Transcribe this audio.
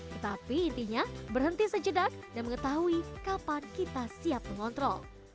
tetapi intinya berhenti sejedak dan mengetahui kapan kita siap mengontrol